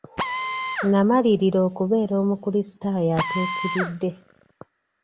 N'amalirira okubeera omukulisitaayo atuukiridde.